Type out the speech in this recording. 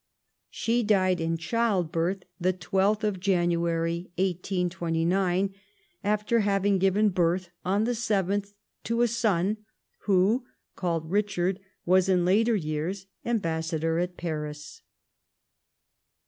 She died in childbirth the 12th January, 1829, after having given birth, on the 7th, to a son, who, called Richard, was, in later years, ambassador at Paris.